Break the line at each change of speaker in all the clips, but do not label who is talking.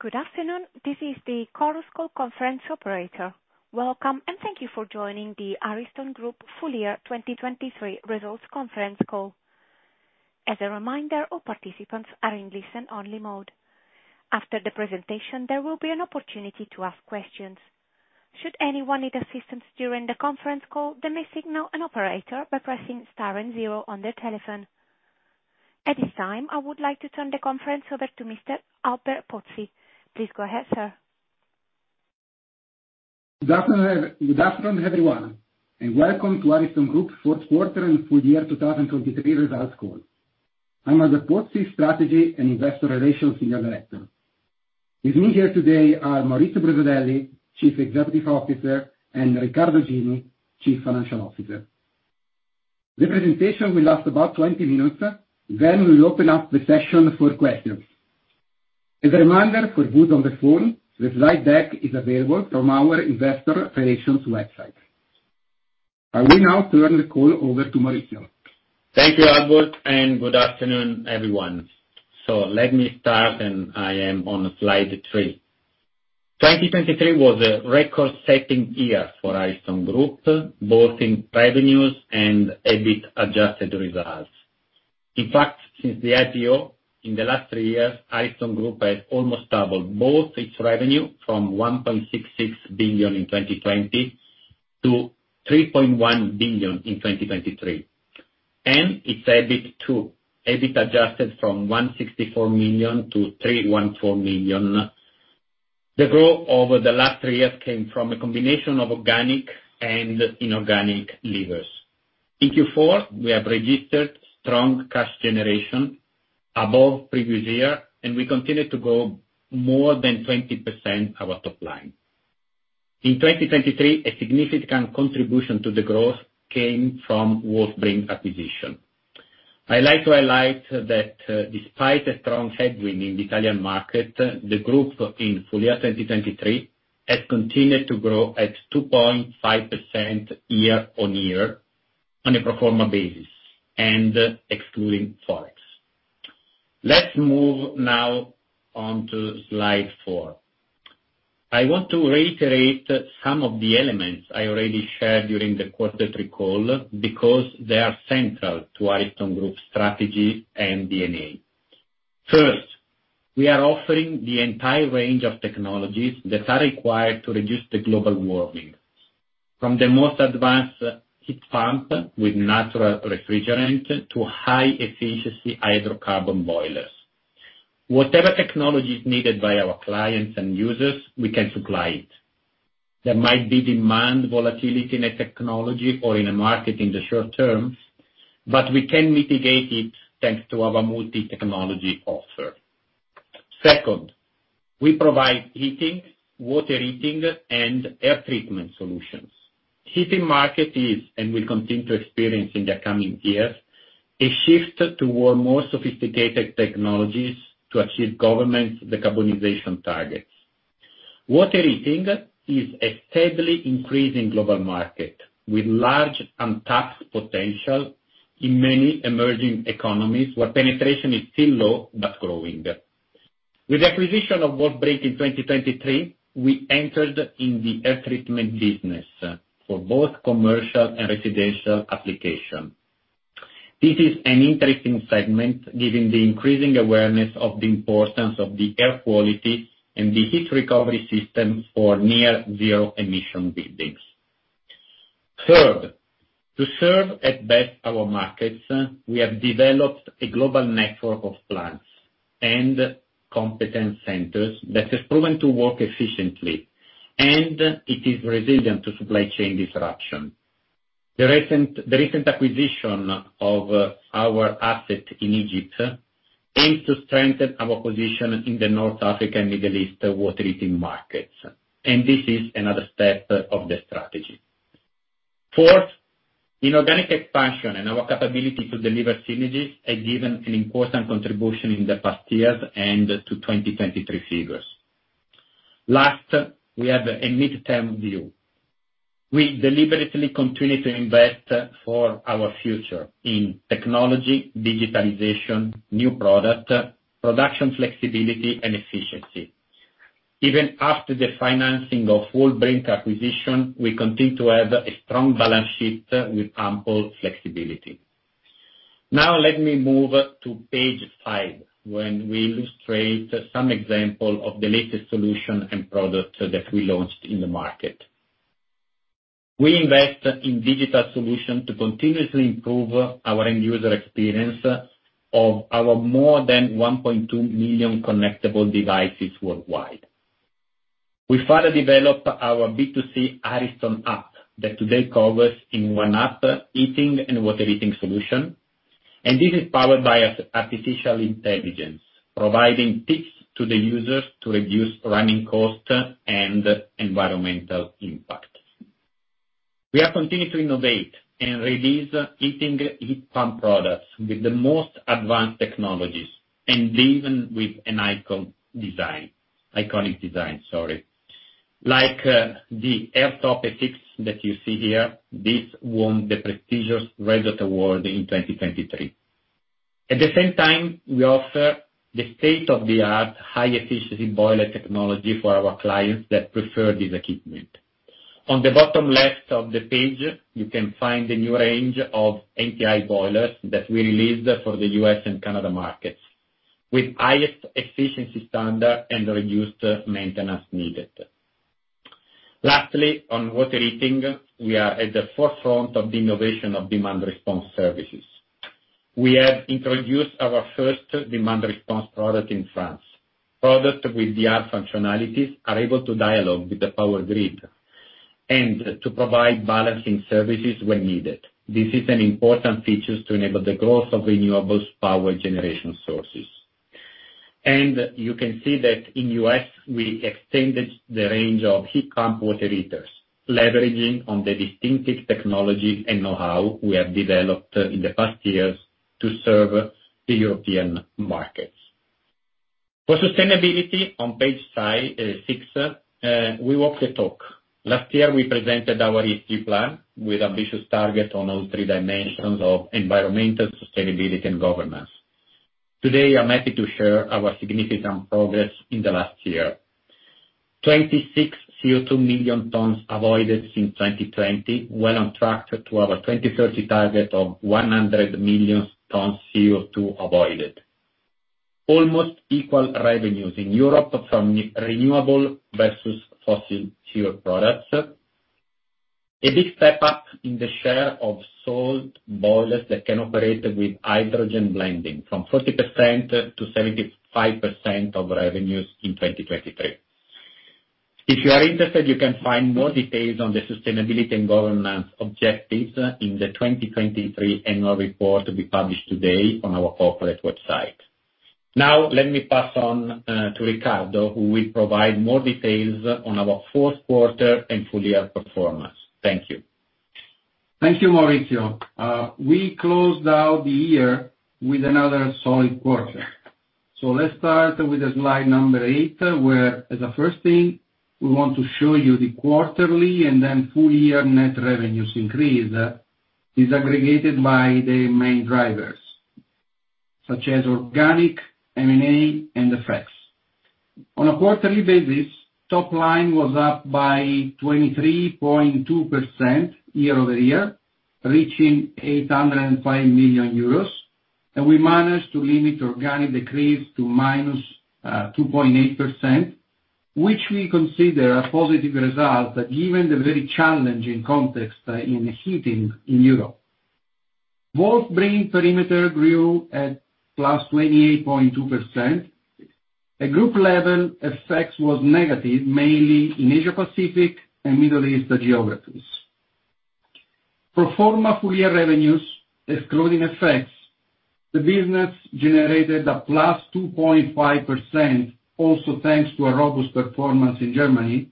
Good afternoon. This is the Chorus Call Conference Operator. Welcome, and thank you for joining the Ariston Group Full Year 2023 Results Conference Call. As a reminder, all participants are in listen-only mode. After the presentation, there will be an opportunity to ask questions. Should anyone need assistance during the conference call, they may signal an operator by pressing star and zero on their telephone. At this time, I would like to turn the conference over to Mr. Albert Pozzi. Please go ahead, sir.
Good afternoon, everyone, and welcome to Ariston Group Fourth Quarter and Full Year 2023 Results Call. I'm Albert Pozzi, Strategy and Investor Relations Senior Director. With me here today are Maurizio Brusadelli, Chief Executive Officer, and Riccardo Gini, Chief Financial Officer. The presentation will last about 20 minutes, then we will open up the session for questions. As a reminder, for those on the phone, the slide deck is available from our Investor Relations website. I will now turn the call over to Maurizio.
Thank you, Albert, and good afternoon, everyone. So let me start, and I am on slide three. 2023 was a record-setting year for Ariston Group, both in revenues and EBIT adjusted results. In fact, since the IPO in the last three years, Ariston Group has almost doubled both its revenue from 1.66 billion in 2020 to 3.1 billion in 2023, and its EBIT too, EBIT adjusted from 164 million to 314 million. The growth over the last three years came from a combination of organic and inorganic levers. In Q4, we have registered strong cash generation above previous year, and we continue to grow more than 20% our top line. In 2023, a significant contribution to the growth came from Wolf-Brink acquisition. I like to highlight that despite a strong headwind in the Italian market, the group in full year 2023 has continued to grow at 2.5% year-on-year on a performer basis, excluding Forex. Let's move now on to slide four. I want to reiterate some of the elements I already shared during the quarter three call because they are central to Ariston Group's strategy and DNA. First, we are offering the entire range of technologies that are required to reduce the global warming, from the most advanced heat pump with natural refrigerant to high-efficiency hydrocarbon boilers. Whatever technology is needed by our clients and users, we can supply it. There might be demand volatility in a technology or in a market in the short term, but we can mitigate it thanks to our multi-technology offer. Second, we provide heating, water heating, and air treatment solutions. Heating market is, and will continue to experience in the coming years, a shift toward more sophisticated technologies to achieve government's decarbonization targets. Water heating is a steadily increasing global market with large untapped potential in many emerging economies where penetration is still low but growing. With the acquisition of Wolf-Brink in 2023, we entered in the air treatment business for both commercial and residential application. This is an interesting segment given the increasing awareness of the importance of the air quality and the heat recovery systems for near-zero-emission buildings. Third, to serve at best our markets, we have developed a global network of plants and competence centers that has proven to work efficiently, and it is resilient to supply chain disruption. The recent acquisition of our asset in Egypt aims to strengthen our position in the North African and Middle East water heating markets, and this is another step of the strategy. Fourth, inorganic expansion and our capability to deliver synergies have given an important contribution in the past years and to 2023 figures. Last, we have a mid-term view. We deliberately continue to invest for our future in technology, digitalization, new products, production flexibility, and efficiency. Even after the financing of Wolf-Brink acquisition, we continue to have a strong balance sheet with ample flexibility. Now, let me move to page five when we illustrate some examples of the latest solution and product that we launched in the market. We invest in digital solutions to continuously improve our end-user experience of our more than 1.2 million connectable devices worldwide. We further develop our B2C Ariston app that today covers in one app heating and water heating solution, and this is powered by artificial intelligence, providing tips to the users to reduce running costs and environmental impact. We have continued to innovate and release heating heat pump products with the most advanced technologies and even with an iconic design, sorry, like the AEROTOP Sx that you see here. This won the prestigious Red Dot Award in 2023. At the same time, we offer the state-of-the-art high-efficiency boiler technology for our clients that prefer this equipment. On the bottom left of the page, you can find the new range of NTI Boilers that we released for the U.S. and Canada markets with highest efficiency standard and reduced maintenance needed. Lastly, on water heating, we are at the forefront of the innovation of demand response services. We have introduced our first demand response product in France. Products with the added functionalities are able to dialogue with the power grid and to provide balancing services when needed. This is an important feature to enable the growth of renewable power generation sources. And you can see that in the U.S., we extended the range of heat pump water heaters, leveraging on the distinctive technology and know-how we have developed in the past years to serve the European markets. For sustainability, on page six, we walked the talk. Last year, we presented our ESG plan with an ambitious target on all three dimensions of environmental sustainability and governance. Today, I'm happy to share our significant progress in the last year: 26 million tons CO2 avoided since 2020, well on track to our 2030 target of 100 million tons CO2 avoided, almost equal revenues in Europe from renewable versus fossil fuel products, a big step up in the share of sold boilers that can operate with hydrogen blending from 40%-75% of revenues in 2023. If you are interested, you can find more details on the sustainability and governance objectives in the 2023 annual report to be published today on our corporate website. Now, let me pass on to Riccardo, who will provide more details on our fourth quarter and full-year performance. Thank you.
Thank you, Maurizio. We closed out the year with another solid quarter. So let's start with slide number eight where, as a first thing, we want to show you the quarterly and then full year net revenues increase disaggregated by the main drivers, such as organic, M&A, and effects. On a quarterly basis, top line was up by 23.2% year-over-year, reaching 805 million euros, and we managed to limit organic decrease to -2.8%, which we consider a positive result given the very challenging context in heating in Europe. Wolf-Brink perimeter grew at +28.2%. At group level, effects were negative, mainly in Asia-Pacific and Middle East geographies. For full year revenues, excluding effects, the business generated a +2.5%, also thanks to a robust performance in Germany,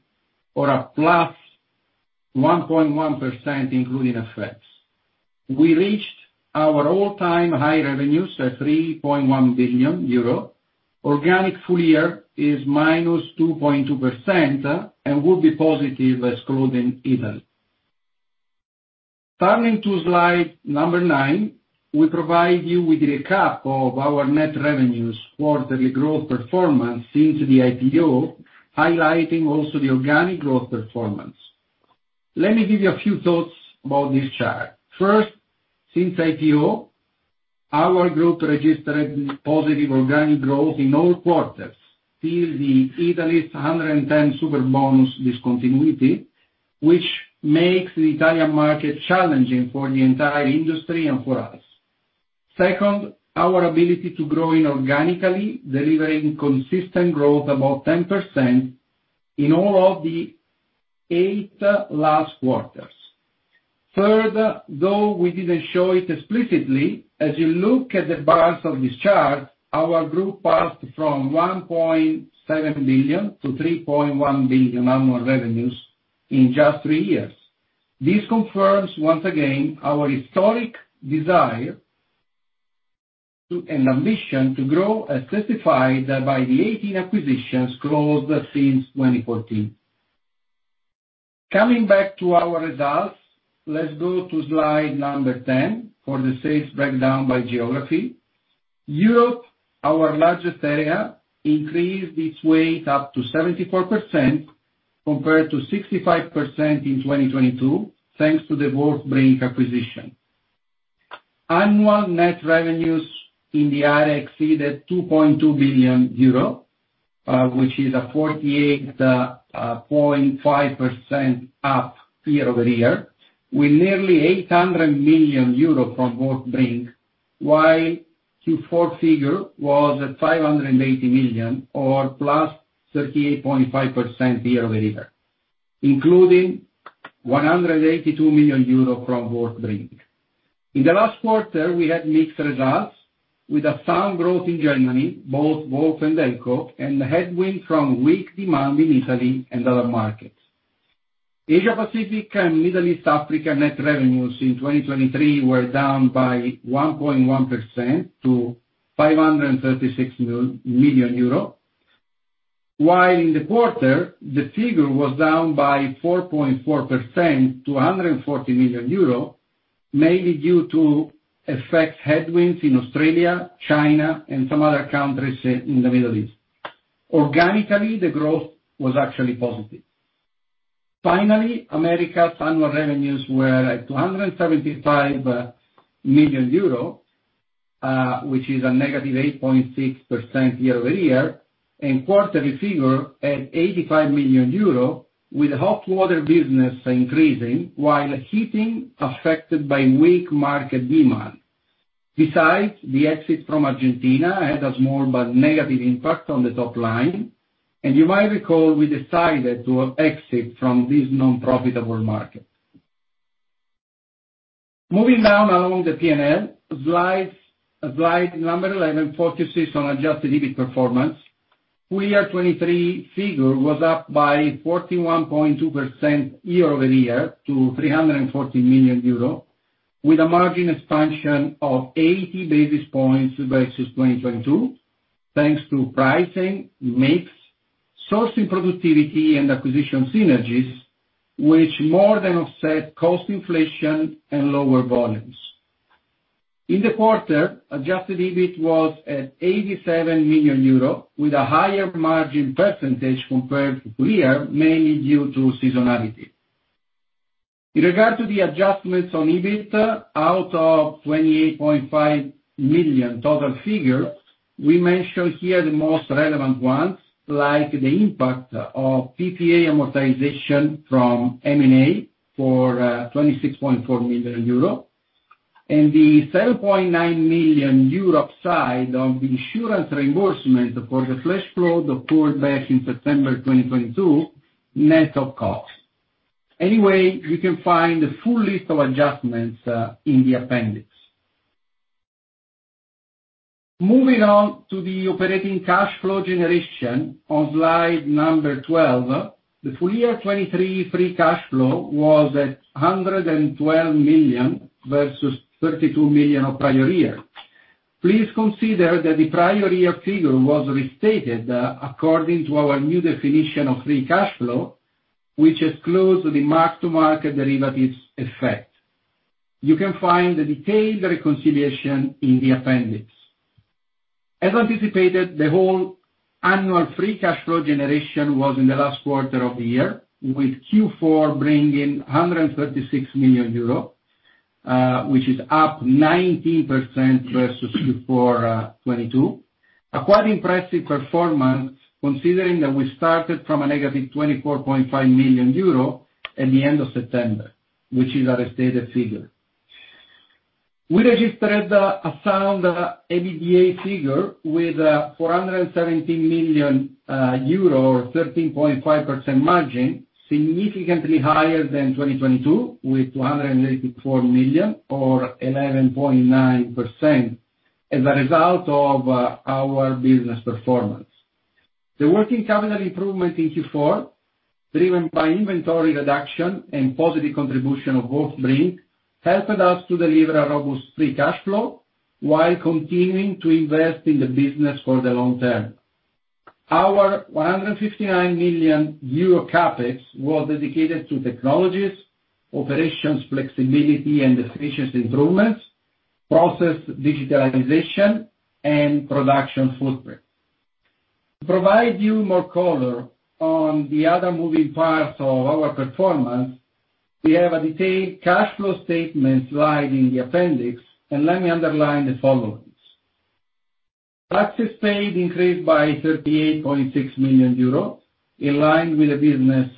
or a +1.1%, including effects. We reached our all-time high revenues at 3.1 billion euro. Organic full year is -2.2% and will be positive, excluding Italy. Turning to slide number nine, we provide you with a recap of our net revenues quarterly growth performance since the IPO, highlighting also the organic growth performance. Let me give you a few thoughts about this chart. First, since IPO, our group registered positive organic growth in all quarters till the Italy's Superbonus 110% discontinuity, which makes the Italian market challenging for the entire industry and for us. Second, our ability to grow inorganically, delivering consistent growth about 10% in all of the eight last quarters. Third, though we didn't show it explicitly, as you look at the bars of this chart, our group passed from 1.7 billion to 3.1 billion annual revenues in just three years. This confirms, once again, our historic desire and ambition to grow as certified by the 18 acquisitions closed since 2014. Coming back to our results, let's go to slide number 10 for the sales breakdown by geography. Europe, our largest area, increased its weight up to 74% compared to 65% in 2022 thanks to the Wolf-Brink acquisition. Annual net revenues in the area exceeded 2.2 billion euro, which is a 48.5% up year-over-year with nearly 800 million euro from Wolf-Brink, while Q4 figure was at 580 million or +38.5% year-over-year, including 182 million euro from Wolf-Brink. In the last quarter, we had mixed results with a sound growth in Germany, both Wolf and ELCO, and the headwind from weak demand in Italy and other markets. Asia-Pacific and Middle East Africa net revenues in 2023 were down by 1.1% to 536 million euro, while in the quarter, the figure was down by 4.4% to 140 million euro, mainly due to effects headwinds in Australia, China, and some other countries in the Middle East. Organically, the growth was actually positive. Finally, Americas annual revenues were at 275 million euros, which is -8.6% year-over-year, and quarterly figure at 85 million euro with the hot water business increasing while heating affected by weak market demand. Besides, the exit from Argentina had a small but negative impact on the top line, and you might recall we decided to exit from this nonprofitable market. Moving down along the P&L, slide number 11 focuses on adjusted EBIT performance. Full year 2023 figure was up by 41.2% year-over-year to 314 million euro with a margin expansion of 80 basis points versus 2022 thanks to pricing, mix, sourcing productivity, and acquisition synergies, which more than offset cost inflation and lower volumes. In the quarter, adjusted EBIT was at 87 million euro with a higher margin percentage compared to full year, mainly due to seasonality. In regard to the adjustments on EBIT out of 28.5 million total figure, we mention here the most relevant ones like the impact of PPA amortization from M&A for 26.4 million euro and the 7.9 million euro upside of the insurance reimbursement for the flash flood that pulled back in September 2022 net of costs. Anyway, you can find the full list of adjustments in the appendix. Moving on to the operating cash flow generation on slide number 12, the full year 2023 free cash flow was at 112 million versus 32 million of prior year. Please consider that the prior year figure was restated according to our new definition of free cash flow, which excludes the mark-to-market derivatives effect. You can find the detailed reconciliation in the appendix. As anticipated, the whole annual free cash flow generation was in the last quarter of the year, with Q4 bringing 136 million euros, which is up 19% versus Q4 2022, a quite impressive performance considering that we started from a negative 24.5 million euro at the end of September, which is our stated figure. We registered a sound EBITDA figure with a 417 million euro or 13.5% margin, significantly higher than 2022 with 284 million or 11.9% as a result of our business performance. The working capital improvement in Q4, driven by inventory reduction and positive contribution of Wolf-Brink, helped us to deliver a robust free cash flow while continuing to invest in the business for the long term. Our 159 million euro CapEx was dedicated to technologies, operations flexibility, and efficiency improvements, process digitalization, and production footprint. To provide you more color on the other moving parts of our performance, we have a detailed cash flow statement slide in the appendix, and let me underline the following: taxes paid increased by 38.6 million euros in line with the business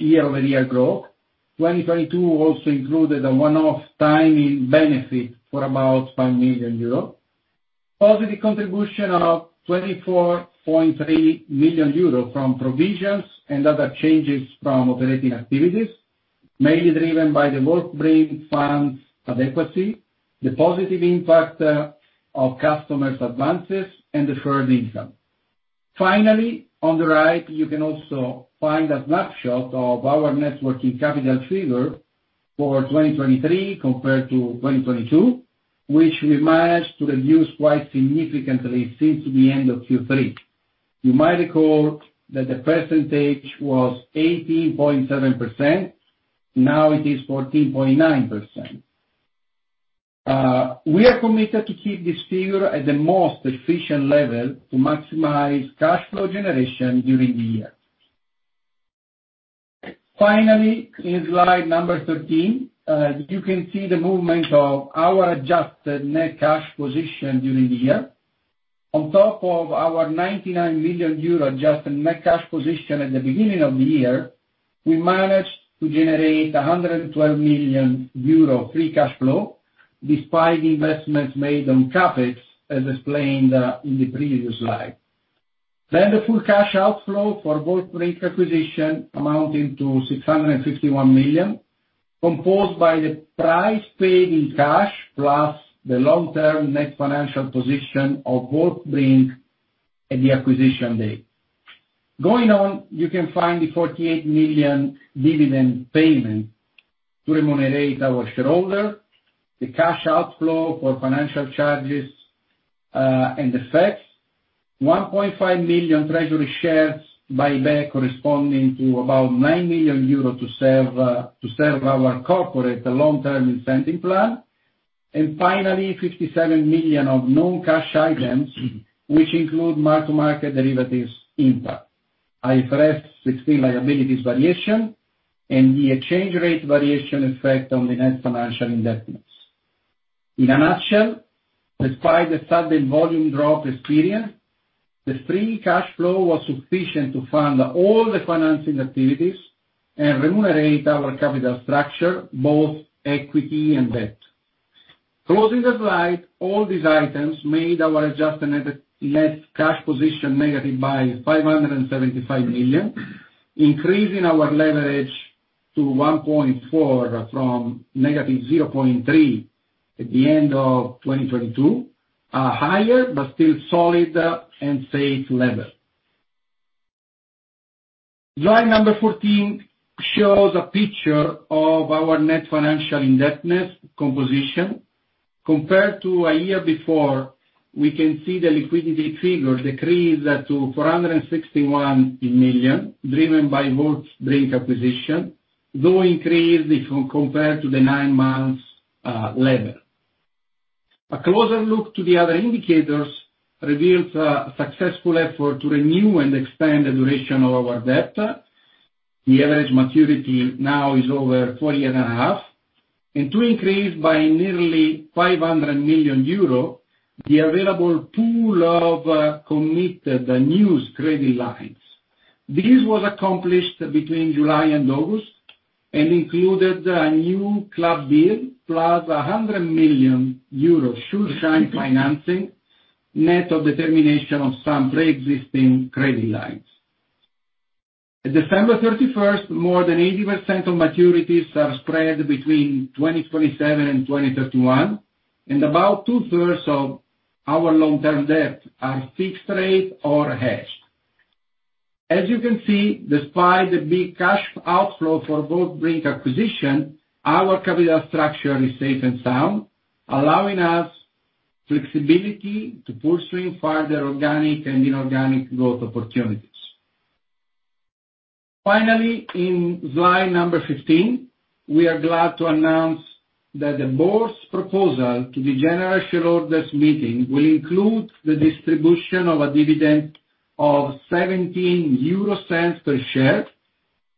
year-over-year growth. 2022 also included a one-off timing benefit for about 5 million euro, positive contribution of 24.3 million euro from provisions and other changes from operating activities, mainly driven by the Wolf-Brink funds adequacy, the positive impact of customers' advances, and the deferred income. Finally, on the right, you can also find a snapshot of our Net Working Capital figure for 2023 compared to 2022, which we managed to reduce quite significantly since the end of Q3. You might recall that the percentage was 18.7%. Now it is 14.9%. We are committed to keep this figure at the most efficient level to maximize cash flow generation during the year. Finally, in slide number 13, you can see the movement of our adjusted net cash position during the year. On top of our 99 million euro adjusted net cash position at the beginning of the year, we managed to generate 112 million euro Free Cash Flow despite investments made on CapEx, as explained in the previous slide. Then the full cash outflow for Wolf-Brink acquisition amounting to 651 million, composed by the price paid in cash plus the long-term net financial position of Wolf-Brink at the acquisition date. Going on, you can find the 48 million dividend payment to remunerate our shareholder, the cash outflow for financial charges, and effects, 1.5 million treasury shares buyback corresponding to about 9 million euros to serve our corporate long-term incentive plan, and finally, 57 million of non-cash items, which include mark-to-market derivatives impact, IFRS 16 liabilities variation, and the exchange rate variation effect on the net financial position. In a nutshell, despite the sudden volume drop experience, the free cash flow was sufficient to fund all the financing activities and remunerate our capital structure, both equity and debt. Closing the slide, all these items made our adjusted net cash position negative by 575 million, increasing our leverage to 1.4 from negative 0.3 at the end of 2022, a higher but still solid and safe level. Slide number 14 shows a picture of our net financial indebtedness composition compared to a year before. We can see the liquidity figure decrease to 461 million driven by Wolf-Brink acquisition, though increased if compared to the nine-month level. A closer look to the other indicators reveals a successful effort to renew and extend the duration of our debt. The average maturity now is over four years and a half, and to increase by nearly 500 million euro, the available pool of committed new credit lines. This was accomplished between July and August and included a new club deal plus 100 million euros Schuldschein financing net of termination of some pre-existing credit lines. At December 31st, more than 80% of maturities are spread between 2027 and 2031, and about two-thirds of our long-term debt are fixed rate or hedged. As you can see, despite the big cash outflow for Wolf-Brink acquisition, our capital structure is safe and sound, allowing us flexibility to pursue further organic and inorganic growth opportunities. Finally, in slide number 15, we are glad to announce that the board's proposal to the ordinary shareholders' meeting will include the distribution of a dividend of 0.17 per share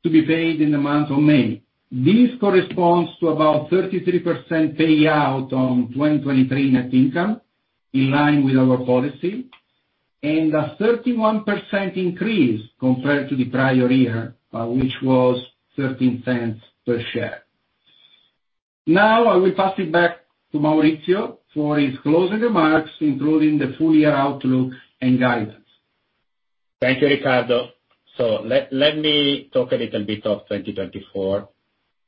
to be paid in the month of May. This corresponds to about 33% payout on 2023 net income in line with our policy and a 31% increase compared to the prior year, which was 0.13 per share. Now, I will pass it back to Maurizio for his closing remarks, including the Full Year Outlook and guidance.
Thank you, Riccardo. So let me talk a little bit of 2024,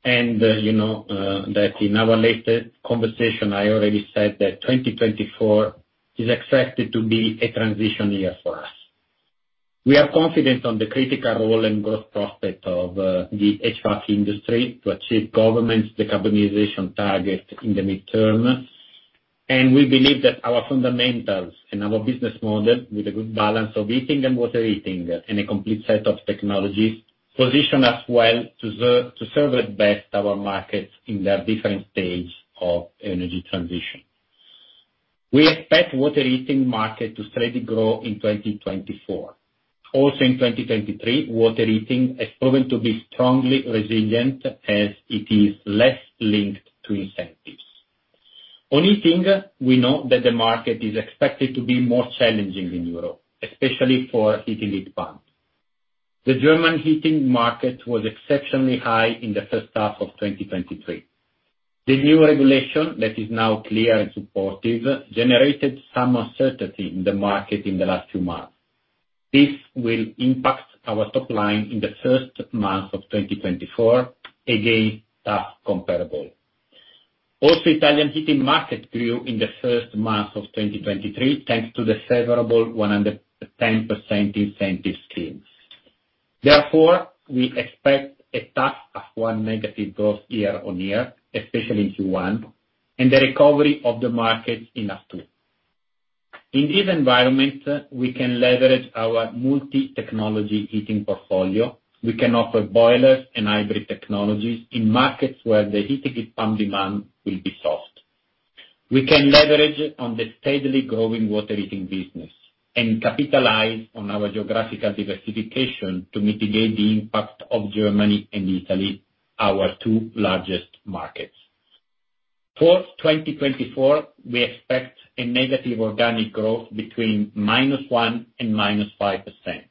and you know that in our latest conversation, I already said that 2024 is expected to be a transition year for us. We are confident on the critical role and growth prospect of the HVAC industry to achieve government's decarbonization target in the midterm, and we believe that our fundamentals and our business model with a good balance of heating and water heating and a complete set of technologies position us well to serve at best our markets in their different stages of energy transition. We expect water heating market to steadily grow in 2024. Also, in 2023, water heating has proven to be strongly resilient as it is less linked to incentives. On heating, we know that the market is expected to be more challenging in Europe, especially for heating heat pumps. The German heating market was exceptionally high in the first half of 2023. The new regulation that is now clear and supportive generated some uncertainty in the market in the last few months. This will impact our top line in the first months of 2024, again, tough comparable. Also, Italian heating market grew in the first months of 2023 thanks to the favorable 110% incentive scheme. Therefore, we expect a tough H1 negative growth year-over-year, especially in Q1, and the recovery of the markets in H2. In this environment, we can leverage our multi-technology heating portfolio. We can offer boilers and hybrid technologies in markets where the heating heat pump demand will be soft. We can leverage on the steadily growing water heating business and capitalize on our geographical diversification to mitigate the impact of Germany and Italy, our two largest markets. For 2024, we expect a negative organic growth between -1% and -5%.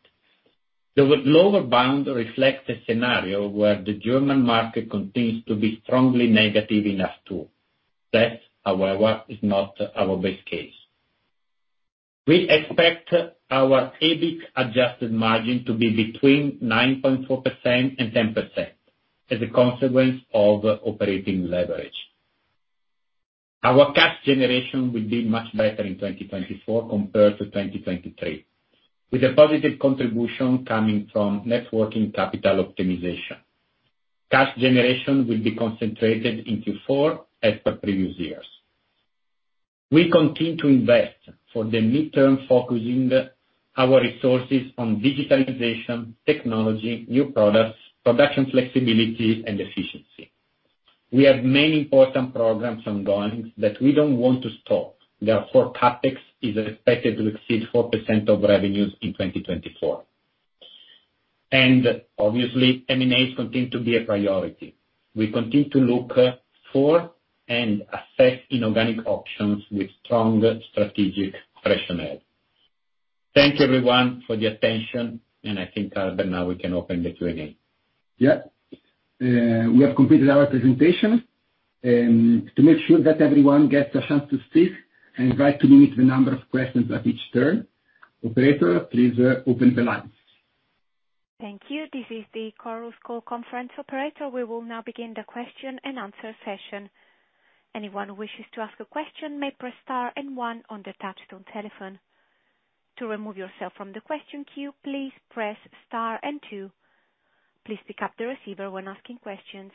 The lower bound reflects a scenario where the German market continues to be strongly negative in H2. This, however, is not our base case. We expect our EBIT adjusted margin to be between 9.4% and 10% as a consequence of operating leverage. Our cash generation will be much better in 2024 compared to 2023 with a positive contribution coming from net working capital optimization. Cash generation will be concentrated in Q4 as per previous years. We continue to invest for the midterm, focusing our resources on digitalization, technology, new products, production flexibility, and efficiency. We have many important programs ongoing that we don't want to stop. Therefore, CapEx is expected to exceed 4% of revenues in 2024. Obviously, M&As continue to be a priority. We continue to look for and assess inorganic options with strong strategic rationale. Thank you, everyone, for the attention, and I think, Albert, now we can open the Q&A.
Yep. We have completed our presentation. To make sure that everyone gets a chance to speak, I invite to limit the number of questions at each turn. Operator, please open the lines.
Thank you. This is the Chorus Call Conference Operator. We will now begin the question and answer session. Anyone who wishes to ask a question may press star and one on the touch-tone telephone. To remove yourself from the question queue, please press star and two. Please pick up the receiver when asking questions.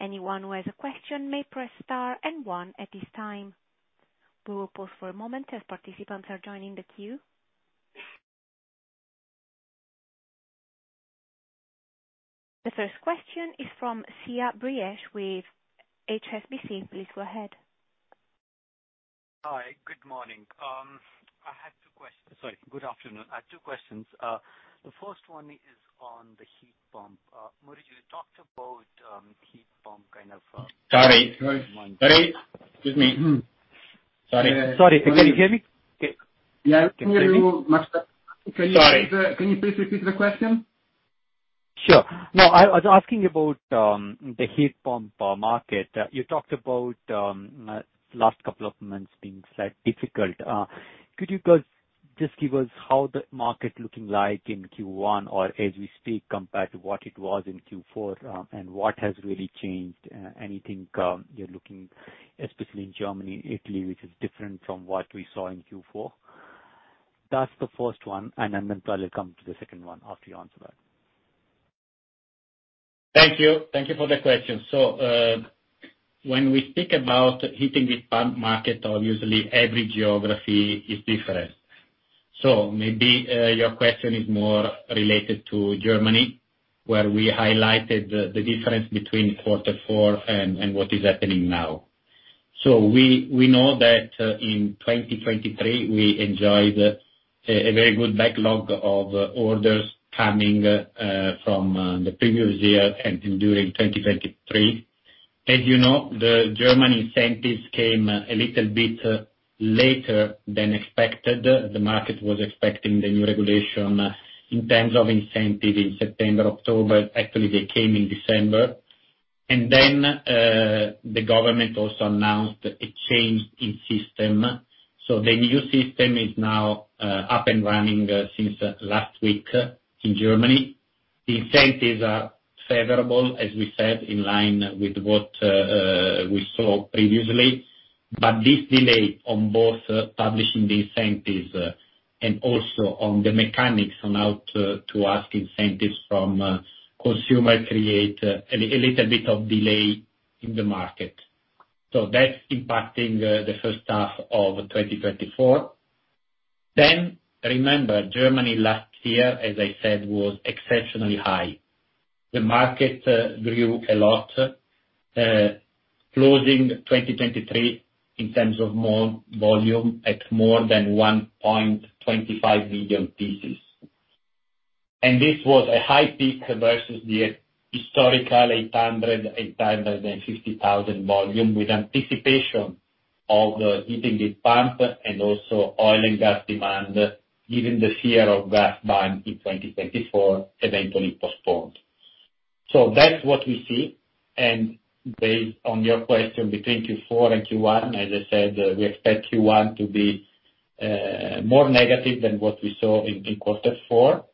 Anyone who has a question may press star and one at this time. We will pause for a moment as participants are joining the queue. The first question is from Sia Bryce with HSBC. Please go ahead.
Hi. Good afternoon. I had two questions. The first one is on the heat pump. Maurizio, you talked about heat pump kind of.
Excuse me.
Can you hear me?
Yeah.
Can you hear me?
Can you please repeat the question?
Sure. No, I was asking about the heat pump market. You talked about the last couple of months being slightly difficult. Could you just give us how the market looking like in Q1 or as we speak compared to what it was in Q4 and what has really changed? Anything you're looking, especially in Germany, Italy, which is different from what we saw in Q4? That's the first one, and then probably come to the second one after you answer that.
Thank you. Thank you for the question. So when we speak about heating heat pump market, obviously, every geography is different. So maybe your question is more related to Germany, where we highlighted the difference between quarter four and what is happening now. So we know that in 2023, we enjoyed a very good backlog of orders coming from the previous year and during 2023. As you know, the German incentives came a little bit later than expected. The market was expecting the new regulation in terms of incentive in September, October. Actually, they came in December. And then the government also announced a change in system. So the new system is now up and running since last week in Germany. The incentives are favorable, as we said, in line with what we saw previously. But this delay on both publishing the incentives and also on the mechanics on how to ask incentives from consumer creates a little bit of delay in the market. So that's impacting the first half of 2024. Then remember, Germany last year, as I said, was exceptionally high. The market grew a lot, closing 2023 in terms of volume at more than 1.25 million pieces. And this was a high peak versus the historical 800,000-850,000 volume with anticipation of heating heat pump and also oil and gas demand, given the fear of gas buying in 2024 eventually postponed. So that's what we see. And based on your question, between Q4 and Q1, as I said, we expect Q1 to be more negative than what we saw in quarter four.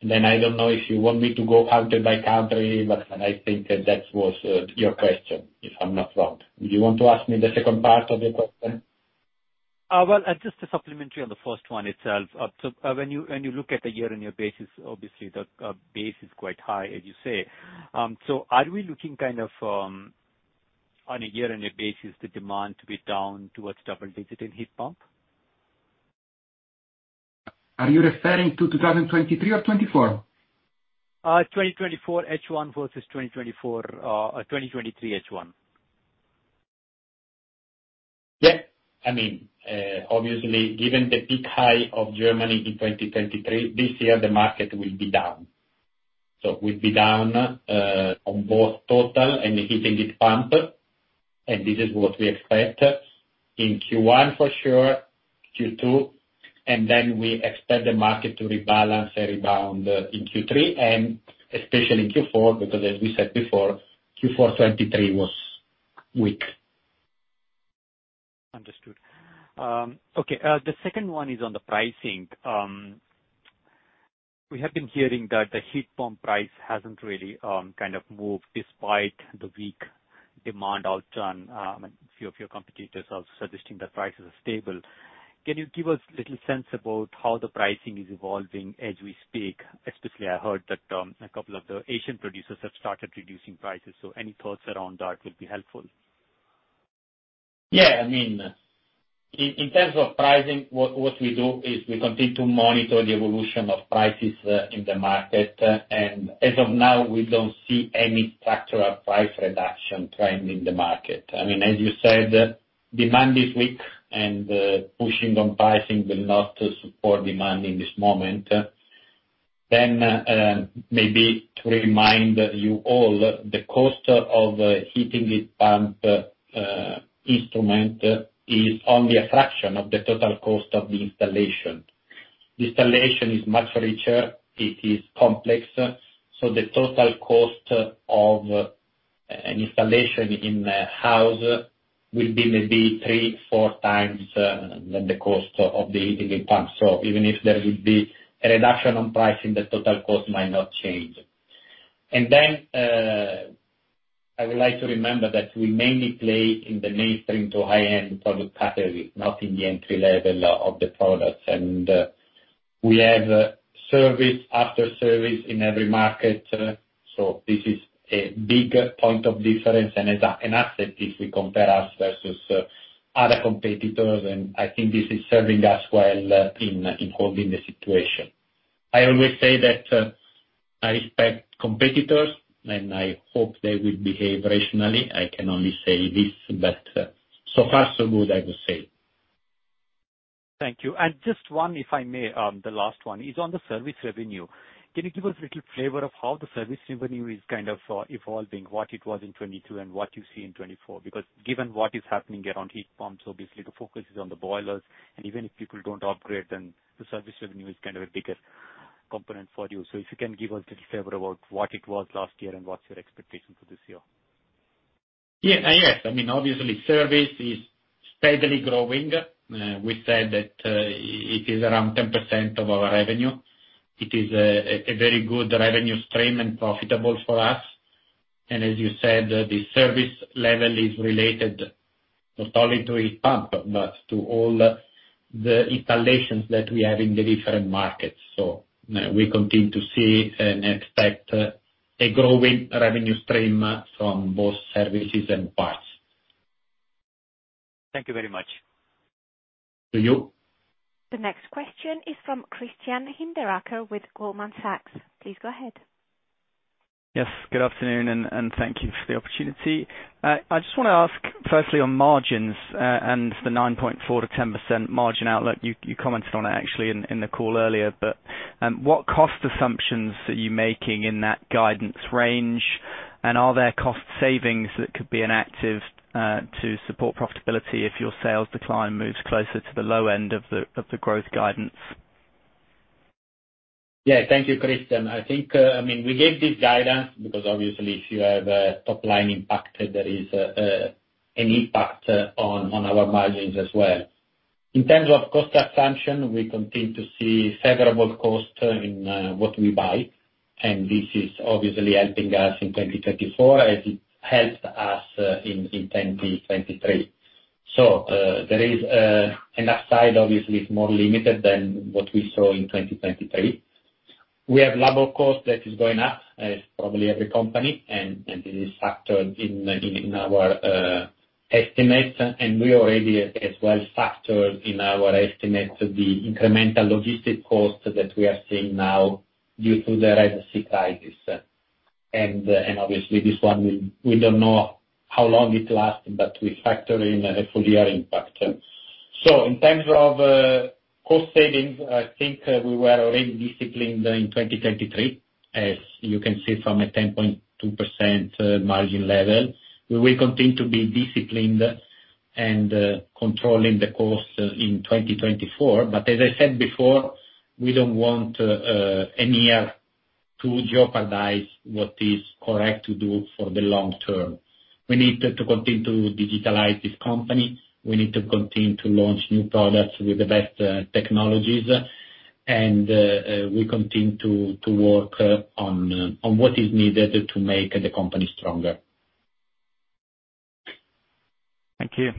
And then I don't know if you want me to go country by country, but I think that that was your question, if I'm not wrong. Do you want to ask me the second part of your question?
Well, just a supplementary on the first one itself. So when you look at the year-on-year basis, obviously, the base is quite high, as you say. So are we looking kind of on a year-on-year basis, the demand to be down towards double-digit in heat pump?
Are you referring to 2023 or 2024?
2024 H1 versus 2023 H1.
Yep. I mean, obviously, given the peak high of Germany in 2023, this year, the market will be down. So we'll be down on both total and the heating heat pump. And this is what we expect in Q1 for sure, Q2. Then we expect the market to rebalance and rebound in Q3 and especially in Q4 because, as we said before, Q4 2023 was weak.
Understood. Okay. The second one is on the pricing. We have been hearing that the heat pump price hasn't really kind of moved despite the weak demand outturn and a few of your competitors also suggesting that prices are stable. Can you give us a little sense about how the pricing is evolving as we speak? Especially, I heard that a couple of the Asian producers have started reducing prices. So any thoughts around that will be helpful.
Yeah. I mean, in terms of pricing, what we do is we continue to monitor the evolution of prices in the market. And as of now, we don't see any structural price reduction trend in the market. I mean, as you said, demand is weak, and pushing on pricing will not support demand in this moment. Then maybe to remind you all, the cost of a heat pump installation is only a fraction of the total cost of the installation. The installation is much richer. It is complex. So the total cost of an installation in a house will be maybe three-four times the cost of the heat pump. So even if there would be a reduction on pricing, the total cost might not change. And then I would like to remember that we mainly play in the mainstream to high-end product category, not in the entry-level of the products. And we have after-sales service in every market. So this is a big point of difference and an asset if we compare us versus other competitors. I think this is serving us well in holding the situation. I always say that I respect competitors, and I hope they will behave rationally. I can only say this, but so far, so good, I would say.
Thank you. And just one, if I may, the last one is on the service revenue. Can you give us a little flavor of how the service revenue is kind of evolving, what it was in 2022 and what you see in 2024? Because given what is happening around heat pumps, obviously, the focus is on the boilers. And even if people don't upgrade, then the service revenue is kind of a bigger component for you. So if you can give us a little flavor about what it was last year and what's your expectation for this year.
Yeah. Yes. I mean, obviously, service is steadily growing. We said that it is around 10% of our revenue. It is a very good revenue stream and profitable for us. And as you said, the service level is related not only to heat pump but to all the installations that we have in the different markets. So we continue to see and expect a growing revenue stream from both services and parts.
Thank you very much.
To you.
The next question is from Christian Hinderaker with Goldman Sachs. Please go ahead.
Yes. Good afternoon, and thank you for the opportunity. I just want to ask, firstly, on margins and the 9.4%-10% margin outlook. You commented on it, actually, in the call earlier. But what cost assumptions are you making in that guidance range? Are there cost savings that could be enacted to support profitability if your sales decline moves closer to the low end of the growth guidance?
Yeah. Thank you, Christian. I mean, we gave this guidance because, obviously, if you have top line impact, there is an impact on our margins as well. In terms of cost assumption, we continue to see favorable cost in what we buy. And this is obviously helping us in 2024 as it helped us in 2023. So there is an upside, obviously, it's more limited than what we saw in 2023. We have labor cost that is going up, as probably every company, and this is factored in our estimates. And we already, as well, factored in our estimates the incremental logistic cost that we are seeing now due to the Red Sea crisis. Obviously, this one, we don't know how long it lasts, but we factor in a full-year impact. In terms of cost savings, I think we were already disciplined in 2023, as you can see from a 10.2% margin level. We will continue to be disciplined and controlling the cost in 2024. But as I said before, we don't want any year to jeopardize what is correct to do for the long term. We need to continue to digitalize this company. We need to continue to launch new products with the best technologies. And we continue to work on what is needed to make the company stronger.
Thank you.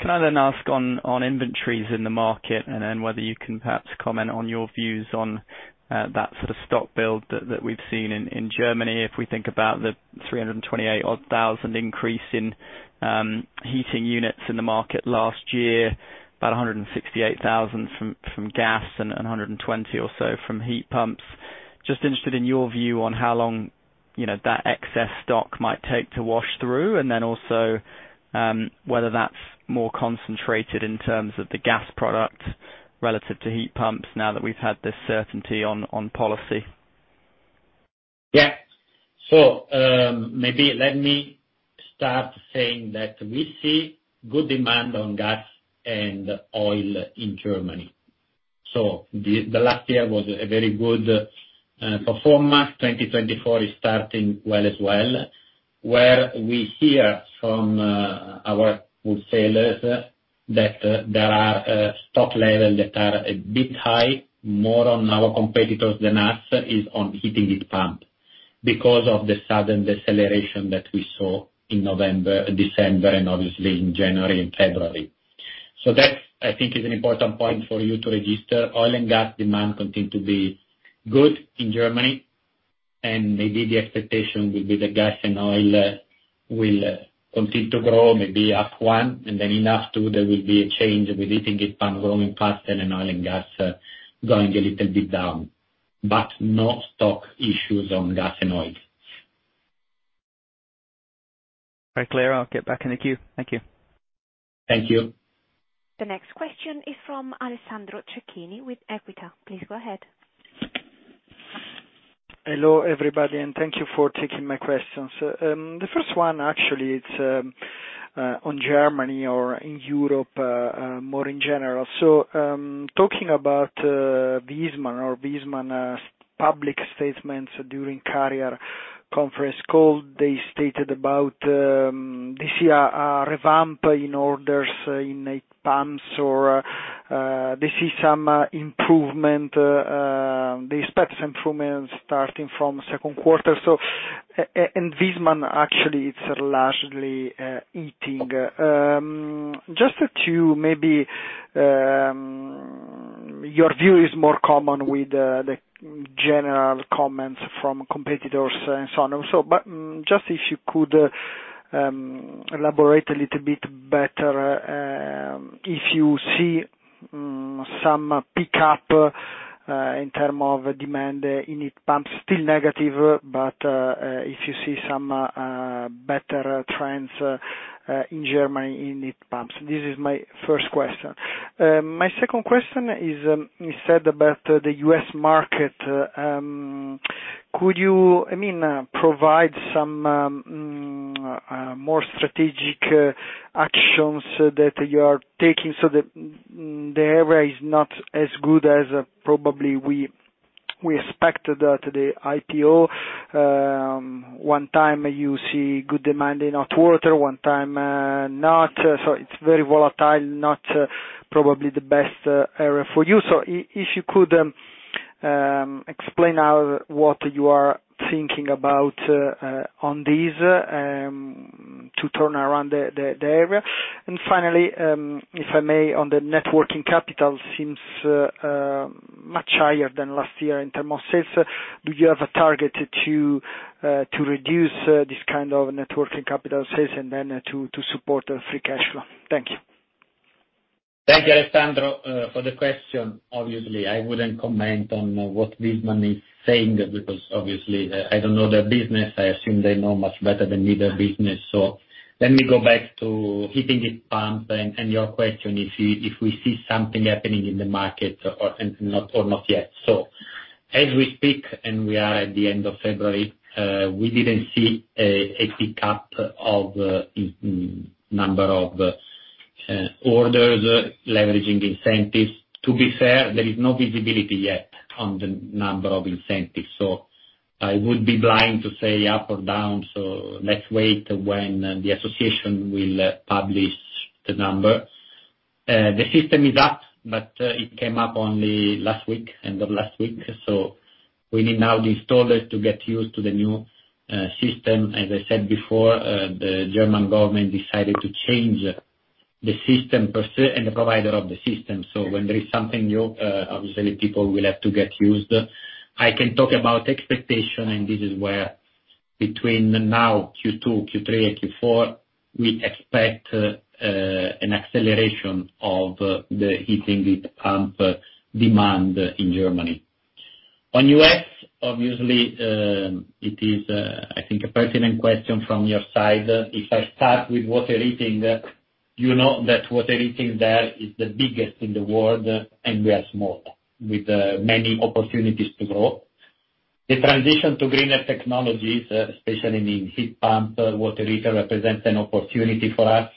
Can I then ask on inventories in the market and then whether you can perhaps comment on your views on that sort of stock build that we've seen in Germany? If we think about the 328,000-odd increase in heating units in the market last year, about 168,000 from gas and 120 or so from heat pumps. Just interested in your view on how long that excess stock might take to wash through and then also whether that's more concentrated in terms of the gas product relative to heat pumps now that we've had this certainty on policy.
Yeah. So maybe let me start saying that we see good demand on gas and oil in Germany. So the last year was a very good performance. 2024 is starting well as well, where we hear from our wholesalers that there are stock levels that are a bit high, more on our competitors than us, is on heating heat pump because of the sudden deceleration that we saw in November, December, and obviously, in January and February. So that, I think, is an important point for you to register. Oil and gas demand continue to be good in Germany. And maybe the expectation will be that gas and oil will continue to grow, maybe up 1, and then enough to there will be a change with heating heat pump growing faster and oil and gas going a little bit down but no stock issues on gas and oil.
Very clear. I'll get back in the queue. Thank you.
Thank you.
The next question is from Alessandro Cecchini with Equita. Please go ahead.
Hello, everybody, and thank you for taking my questions. The first one, actually, it's on Germany or in Europe more in general. So talking about Viessmann or Viessmann public statements during Carrier conference call, they stated about, "This is a revamp in orders in heat pumps," or, "This is some improvement. They expect some improvement starting from second quarter." Viessmann, actually, it's largely heating. Just to maybe your view is more common with the general comments from competitors and so on and so. But just if you could elaborate a little bit better if you see some pickup in terms of demand in heat pumps, still negative, but if you see some better trends in Germany in heat pumps. This is my first question. My second question is said about the U.S. market. Could you, I mean, provide some more strategic actions that you are taking so that the area is not as good as probably we expected at the IPO? One time, you see good demand in hot water. One time, not. So it's very volatile, not probably the best area for you. So if you could explain what you are thinking about on this to turn around the area. And finally, if I may, on the net working capital, seems much higher than last year in terms of sales. Do you have a target to reduce this kind of net working capital sales and then to support free cash flow? Thank you.
Thank you, Alessandro, for the question. Obviously, I wouldn't comment on what Viessmann is saying because, obviously, I don't know their business. I assume they know much better than me their business. So let me go back to heating heat pumps and your question if we see something happening in the market or not yet. So as we speak, and we are at the end of February, we didn't see a pickup of number of orders leveraging incentives. To be fair, there is no visibility yet on the number of incentives. I would be blind to say up or down. Let's wait when the association will publish the number. The system is up, but it came up only last week and the last week. We need now the installers to get used to the new system. As I said before, the German government decided to change the system per se and the provider of the system. When there is something new, obviously, people will have to get used. I can talk about expectation, and this is where between now, Q2, Q3, and Q4, we expect an acceleration of the heating heat pump demand in Germany. On the U.S., obviously, it is, I think, a pertinent question from your side. If I start with water heating, you know that water heating there is the biggest in the world, and we are small with many opportunities to grow. The transition to greener technologies, especially in heat pump, water heater represents an opportunity for us.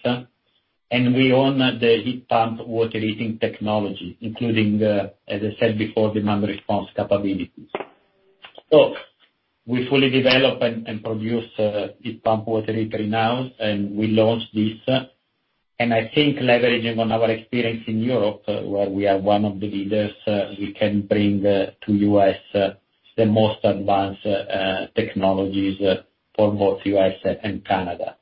And we own the heat pump water heating technology, including, as I said before, demand response capabilities. So we fully develop and produce heat pump water heater now, and we launched this. And I think leveraging on our experience in Europe, where we are one of the leaders, we can bring to U.S. the most advanced technologies for both U.S. and Canada.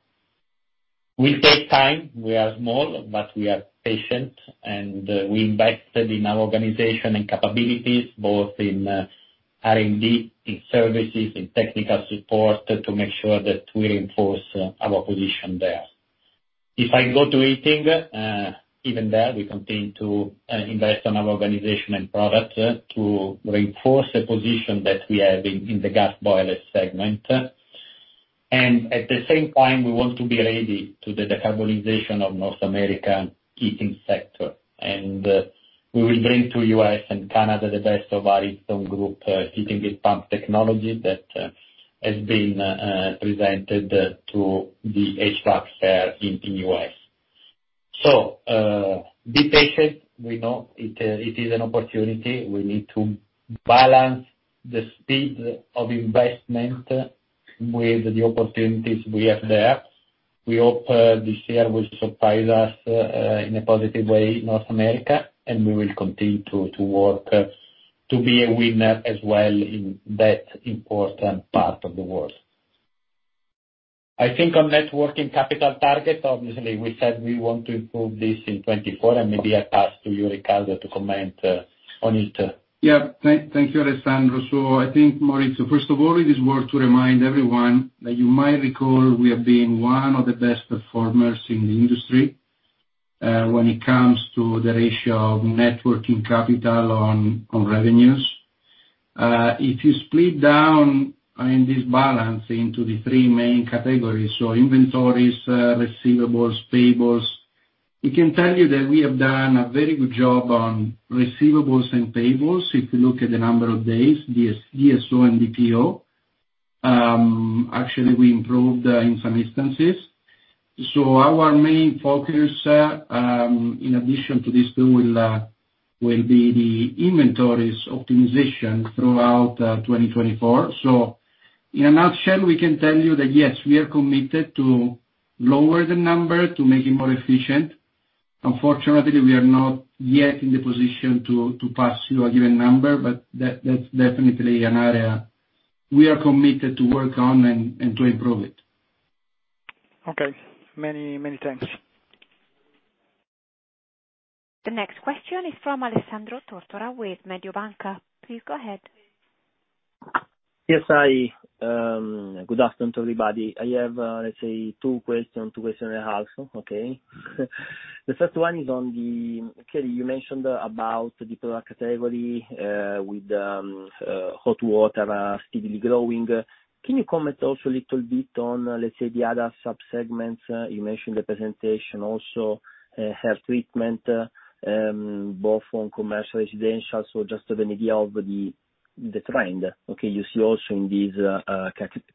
We'll take time. We are small, but we are patient, and we invested in our organization and capabilities, both in R&D, in services, in technical support to make sure that we reinforce our position there. If I go to heating, even there, we continue to invest on our organization and products to reinforce the position that we have in the gas boiler segment. And at the same time, we want to be ready to the decarbonization of North America heating sector. And we will bring to the U.S. and Canada the best of Ariston Group heating heat pump technology that has been presented to the HVAC fair in the U.S. So be patient. We know it is an opportunity. We need to balance the speed of investment with the opportunities we have there. We hope this year will surprise us in a positive way in North America, and we will continue to work to be a winner as well in that important part of the world. I think on net working capital target, obviously, we said we want to improve this in 2024, and maybe I pass to you, Riccardo, to comment on it.
Yeah. Thank you, Alessandro. So I think, Maurizio, first of all, it is worth to remind everyone that you might recall we have been one of the best performers in the industry when it comes to the ratio of net working capital on revenues. If you split down this balance into the three main categories, so inventories, receivables, payables, we can tell you that we have done a very good job on receivables and payables. If you look at the number of days, DSO and DPO, actually, we improved in some instances. So our main focus, in addition to these two, will be the inventories optimization throughout 2024. So in a nutshell, we can tell you that, yes, we are committed to lower the number to make it more efficient. Unfortunately, we are not yet in the position to pass you a given number, but that's definitely an area we are committed to work on and to improve it.
Okay. Many, many thanks.
The next question is from Alessandro Tortora with Mediobanca. Please go ahead.
Yes. Good afternoon, everybody. I have, let's say, two questions, two questions in the house, okay? The first one is on the HVAC, you mentioned about the product category with hot water steadily growing. Can you comment also a little bit on, let's say, the other subsegments? You mentioned the presentation also, air treatment, both on commercial, residential, so just an idea of the trend, okay, you see also in this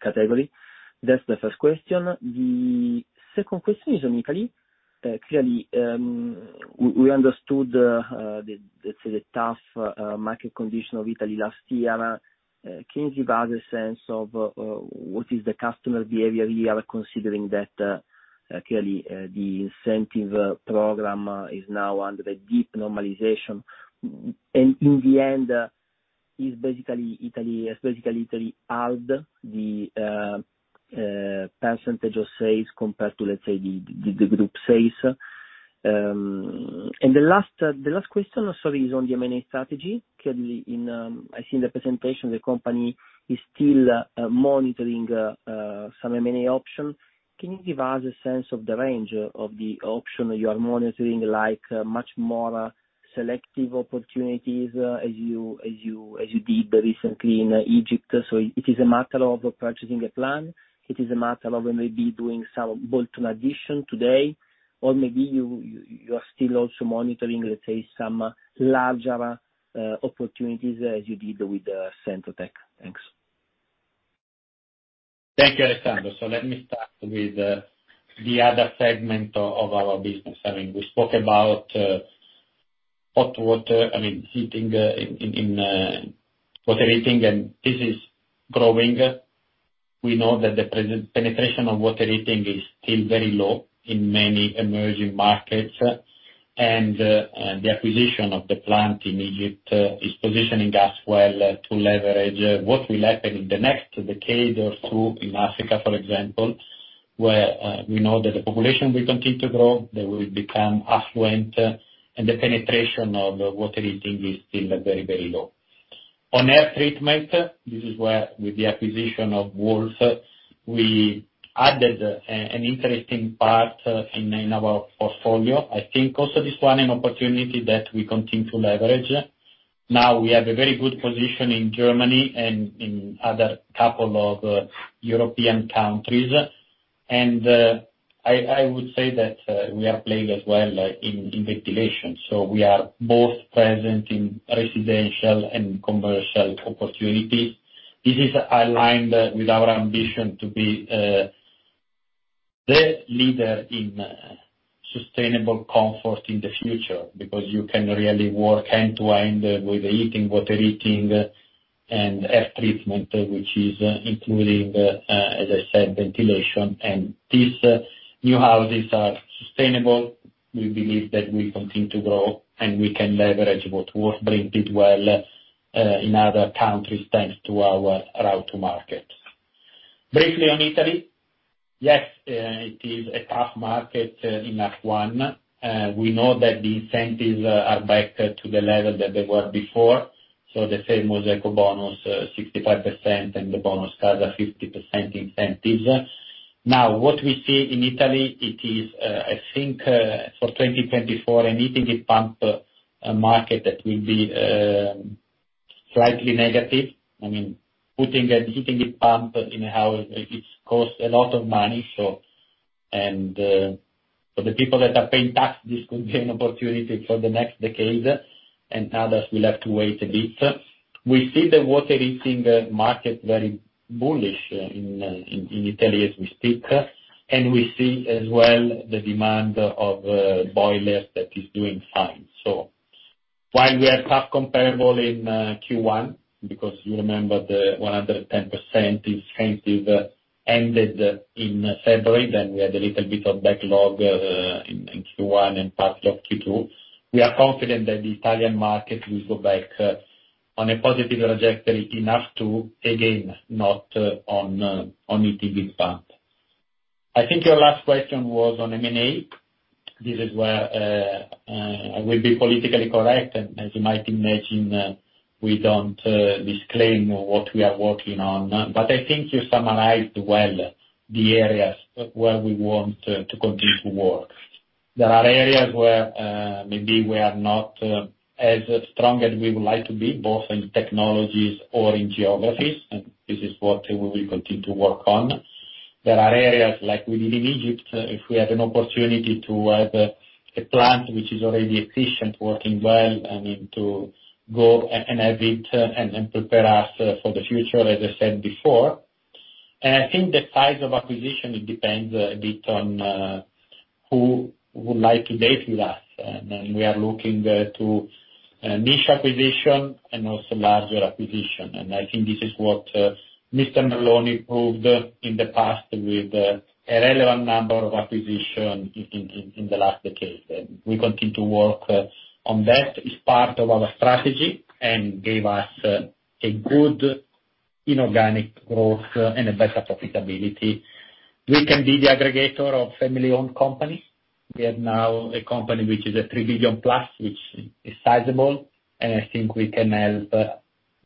category. That's the first question. The second question is on Italy. Clearly, we understood, let's say, the tough market condition of Italy last year. Can you give us a sense of what is the customer behavior here considering that, clearly, the incentive program is now under a deep normalization? And in the end, is basically Italy has basically held the percentage of sales compared to, let's say, the group sales? And the last question, sorry, is on the M&A strategy. I see in the presentation the company is still monitoring some M&A option. Can you give us a sense of the range of the option you are monitoring, like much more selective opportunities as you did recently in Egypt? So it is a matter of purchasing a plan. It is a matter of maybe doing some bolt-on addition today. Or maybe you are still also monitoring, let's say, some larger opportunities as you did with CENTROTEC. Thanks.
Thank you, Alessandro. So let me start with the other segment of our business. I mean, we spoke about hot water, I mean, heating in water heating, and this is growing. We know that the penetration of water heating is still very low in many emerging markets. And the acquisition of the plant in Egypt is positioning us well to leverage what will happen in the next decade or two in Africa, for example, where we know that the population will continue to grow, they will become affluent, and the penetration of water heating is still very, very low. On air treatment, this is where with the acquisition of Wolf, we added an interesting part in our portfolio. I think also this one an opportunity that we continue to leverage. Now, we have a very good position in Germany and in other couple of European countries. And I would say that we are playing as well in ventilation. So we are both present in residential and commercial opportunities. This is aligned with our ambition to be the leader in sustainable comfort in the future because you can really work end to end with heating, water heating, and air treatment, which is including, as I said, ventilation. And these new houses are sustainable. We believe that we continue to grow, and we can leverage what Wolf brings as well in other countries thanks to our route to market. Briefly on Italy, yes, it is a tough market in H1. We know that the incentives are back to the level that they were before. So the same was Ecobonus 65% and the Bonus Casa 50% incentives. Now, what we see in Italy, it is, I think, for 2024, a heating heat pump market that will be slightly negative. I mean, putting a heating heat pump in a house, it costs a lot of money. For the people that are paying tax, this could be an opportunity for the next decade. Now, we'll have to wait a bit. We see the water heating market very bullish in Italy as we speak. We see as well the demand of boilers that is doing fine. So while we are tough comparable in Q1 because you remember the 110% incentive ended in February, then we had a little bit of backlog in Q1 and part of Q2, we are confident that the Italian market will go back on a positive trajectory enough to, again, not on heating heat pump. I think your last question was on M&A. This is where I will be politically correct. As you might imagine, we don't disclaim what we are working on. I think you summarised well the areas where we want to continue to work. There are areas where maybe we are not as strong as we would like to be, both in technologies or in geographies. This is what we will continue to work on. There are areas like we did in Egypt, if we had an opportunity to have a plant which is already efficient, working well, I mean, to go and have it and prepare us for the future, as I said before. I think the size of acquisition, it depends a bit on who would like to date with us. We are looking to niche acquisition and also larger acquisition. I think this is what Mr. Malone proved in the past with a relevant number of acquisition in the last decade. We continue to work on that. It's part of our strategy and gave us a good inorganic growth and a better profitability. We can be the aggregator of family-owned companies. We have now a company which is a 3 billion plus, which is sizable. And I think we can help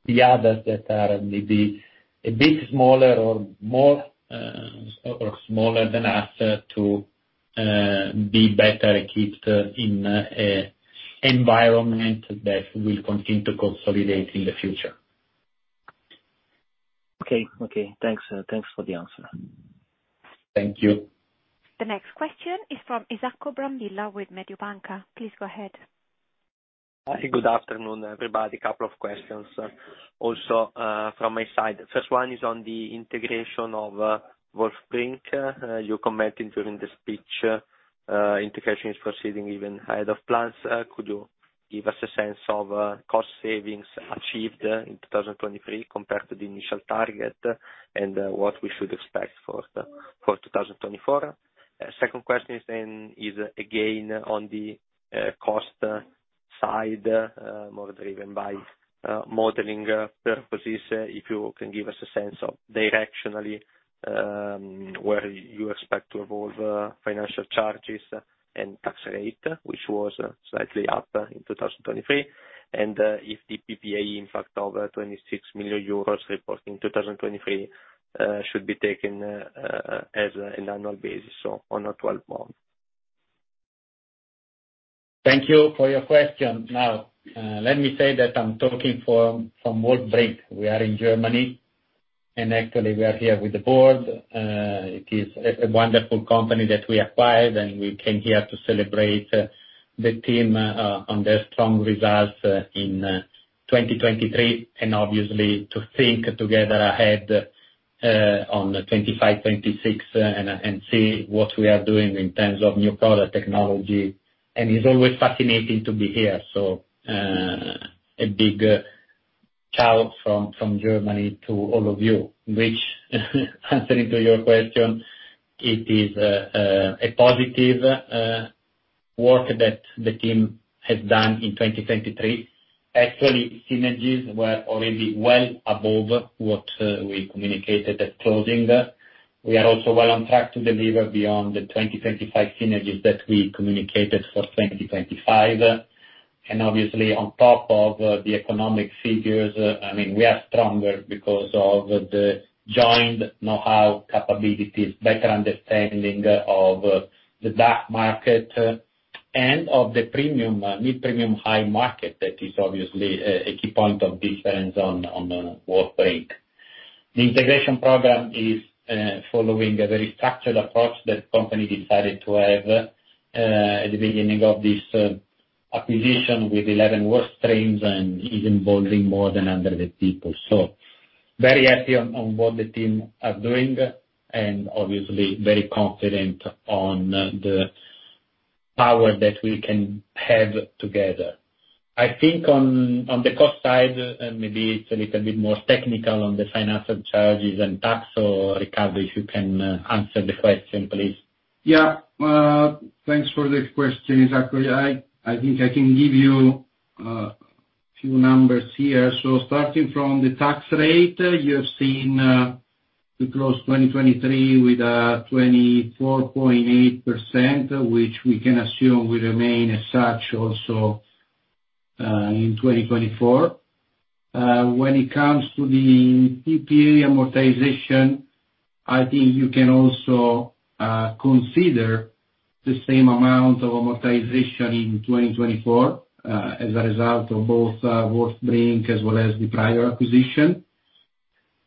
the others that are maybe a bit smaller or smaller than us to be better equipped in an environment that will continue to consolidate in the future.
Okay. Okay. Thanks. Thanks for the answer.
Thank you.
The next question is from Isacco Brambilla with Mediobanca. Please go ahead.
Hi. Good afternoon, everybody. Couple of questions also from my side. The first one is on the integration of Wolf Brink. You commented during the speech, integration is proceeding even ahead of plans. Could you give us a sense of cost savings achieved in 2023 compared to the initial target and what we should expect for 2024? Second question is then, is again on the cost side, more driven by modeling purposes, if you can give us a sense of directionally where you expect to evolve financial charges and tax rate, which was slightly up in 2023, and if the PPA, in fact, of 26 million euros reported in 2023 should be taken as an annual basis, so on a 12-month.
Thank you for your question. Now, let me say that I'm talking from Wolf-Brink. We are in Germany. Actually, we are here with the board. It is a wonderful company that we acquired, and we came here to celebrate the team on their strong results in 2023 and, obviously, to think together ahead on 2025, 2026, and see what we are doing in terms of new product technology. And it's always fascinating to be here. So a big ciao from Germany to all of you, which, answering to your question, it is a positive work that the team has done in 2023. Actually, synergies were already well above what we communicated at closing. We are also well on track to deliver beyond the 2025 synergies that we communicated for 2025. And obviously, on top of the economic figures, I mean, we are stronger because of the joint know-how, capabilities, better understanding of the DACH market and of the premium, mid-premium, high market that is obviously a key point of difference on Wolf-Brink. The integration program is following a very structured approach that the company decided to have at the beginning of this acquisition with 11 workstreams and is involving more than 100 people. So very happy on what the team are doing and, obviously, very confident on the power that we can have together. I think on the cost side, maybe it's a little bit more technical on the financial charges and tax. So Riccardo, if you can answer the question, please.
Yeah. Thanks for this question, Isacco. I think I can give you a few numbers here. So starting from the tax rate, you have seen to close 2023 with 24.8%, which we can assume will remain as such also in 2024. When it comes to the PPA amortization, I think you can also consider the same amount of amortization in 2024 as a result of both Wolf and Brink as well as the prior acquisition.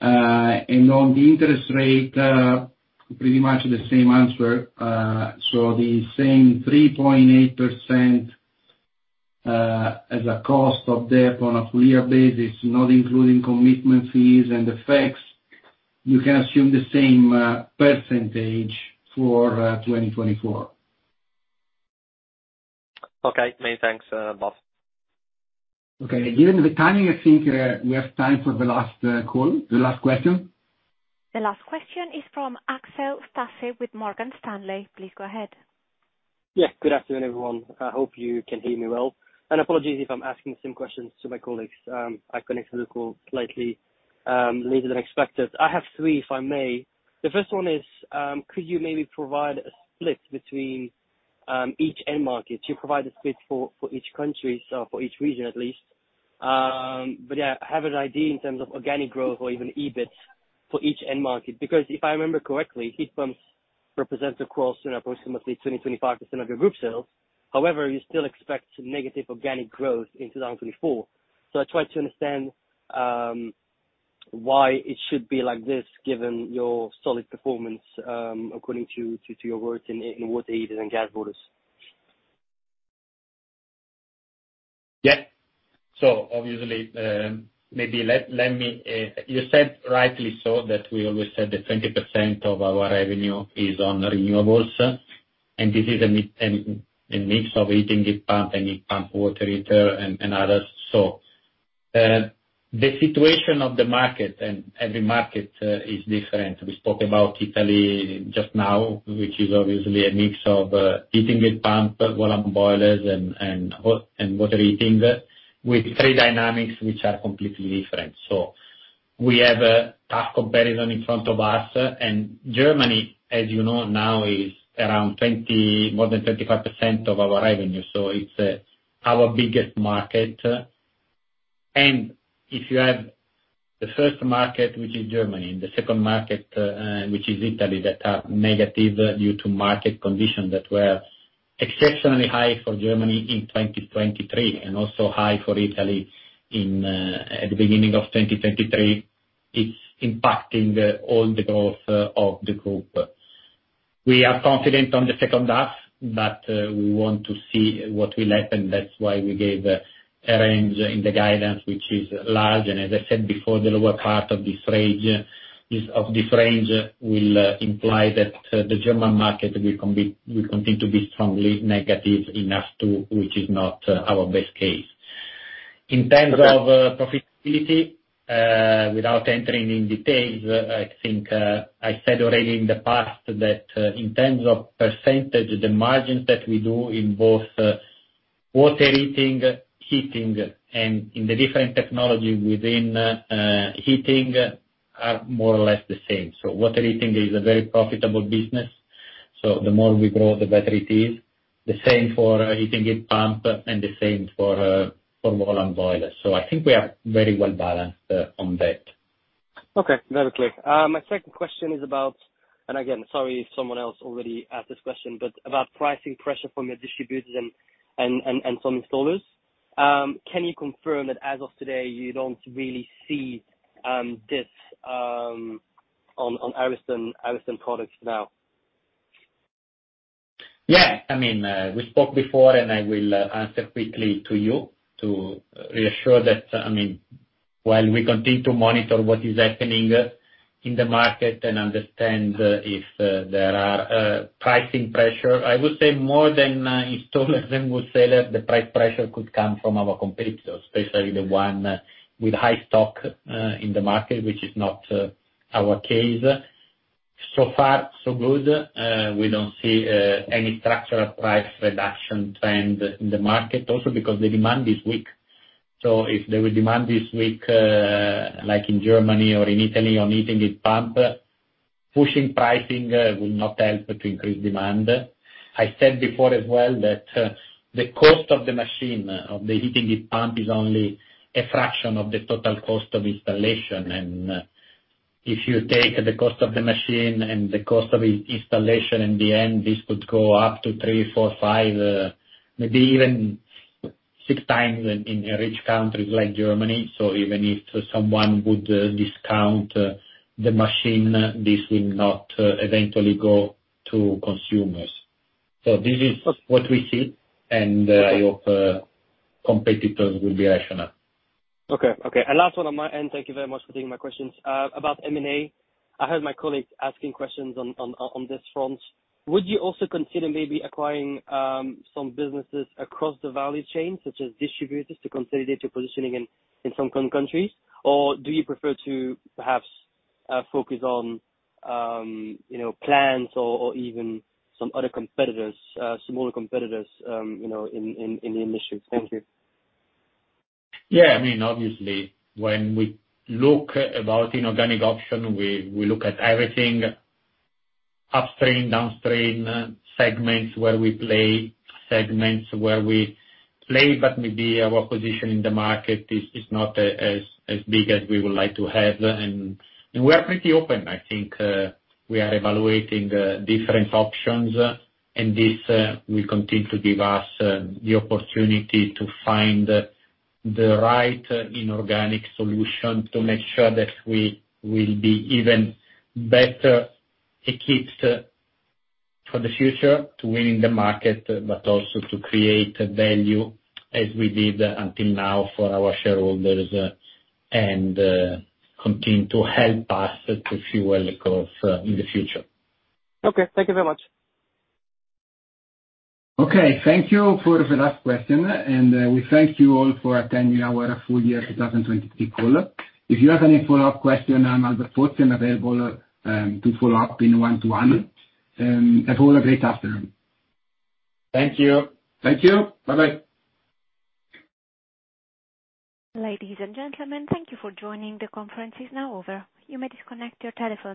And on the interest rate, pretty much the same answer. So the same 3.8% as a cost of debt on a full-year basis, not including commitment fees and effects, you can assume the same percentage for 2024.
Okay. Many thanks, Bob.
Okay. Given the timing, I think we have time for the last question.
The last question is from Axel Stasse with Morgan Stanley. Please go ahead.
Yes. Good afternoon, everyone. I hope you can hear me well. Apologies if I'm asking the same questions to my colleagues. I connected the call slightly later than expected. I have three, if I may. The first one is, could you maybe provide a split between each end market? You provide a split for each country, for each region at least. But yeah, have an idea in terms of organic growth or even EBIT for each end market because if I remember correctly, heat pumps represent across approximately 20%-25% of your group sales. However, you still expect negative organic growth in 2024. So, I try to understand why it should be like this given your solid performance according to your words in water heaters and gas boilers.
Yep. So obviously, maybe let me you said rightly so that we always said that 20% of our revenue is on renewables. And this is a mix of heating heat pump and heat pump water heater and others. So the situation of the market and every market is different. We spoke about Italy just now, which is obviously a mix of heating heat pump, volume boilers, and water heating with three dynamics which are completely different. So we have a tough comparison in front of us. And Germany, as you know now, is around more than 25% of our revenue. So it's our biggest market. If you have the first market, which is Germany, and the second market, which is Italy, that are negative due to market conditions that were exceptionally high for Germany in 2023 and also high for Italy at the beginning of 2023, it's impacting all the growth of the group. We are confident on the second half, but we want to see what will happen. That's why we gave a range in the guidance, which is large. As I said before, the lower part of this range will imply that the German market will continue to be strongly negative enough to which is not our best case. In terms of profitability, without entering into details, I think I said already in the past that in terms of percentage, the margins that we do in both water heating, heating, and in the different technology within heating are more or less the same. So water heating is a very profitable business. So the more we grow, the better it is. The same for heating heat pump and the same for volume boilers. So I think we are very well balanced on that.
Okay. Very clear. My second question is about, and again, sorry if someone else already asked this question, but about pricing pressure from your distributors and some installers. Can you confirm that as of today, you don't really see this on Ariston products now?
Yeah. I mean, we spoke before, and I will answer quickly to you to reassure that I mean, while we continue to monitor what is happening in the market and understand if there are pricing pressure, I would say more than installers than wholesalers, the price pressure could come from our competitors, especially the one with high stock in the market, which is not our case. So far, so good. We don't see any structural price reduction trend in the market also because the demand is weak. So if there was demand this week in Germany or in Italy on heating heat pump, pushing pricing will not help to increase demand. I said before as well that the cost of the machine of the heating heat pump is only a fraction of the total cost of installation. If you take the cost of the machine and the cost of installation, in the end, this could go up to three, four, five, maybe even six times in rich countries like Germany. Even if someone would discount the machine, this will not eventually go to consumers. This is what we see. I hope competitors will be rational.
Okay. Okay. Last one on my end, thank you very much for taking my questions. About M&A, I heard my colleagues asking questions on this front. Would you also consider maybe acquiring some businesses across the value chain such as distributors to consolidate your positioning in some countries? Or do you prefer to perhaps focus on plants or even some other competitors, smaller competitors in the industry? Thank you.
Yeah. I mean, obviously, when we look about inorganic option, we look at everything, upstream, downstream, segments where we play, segments where we play, but maybe our position in the market is not as big as we would like to have. And we are pretty open. I think we are evaluating different options. And this will continue to give us the opportunity to find the right inorganic solution to make sure that we will be even better equipped for the future to win in the market but also to create value as we did until now for our shareholders and continue to help us to fuel the growth in the future.
Okay. Thank you very much.
Okay. Thank you for the last question. And we thank you all for attending our full-year 2023 call. If you have any follow-up question, I'm Albert Pozzi, available to follow up in one-to-one. Have all a great afternoon.
Thank you.
Thank you. Bye-bye.
Ladies and gentlemen, thank you for joining the conference. It's now over. You may disconnect your telephone.